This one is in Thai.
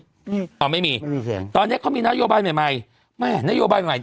อืมอ๋อไม่มีไม่มีเสียงตอนเนี้ยเขามีนโยบายใหม่ใหม่แม่นโยบายใหม่